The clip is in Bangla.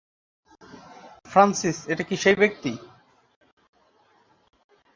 ফ্রান্সিস, এটা কি সেই ব্যাক্তি?